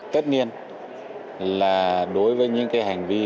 tất nhiên là đối với những hành vi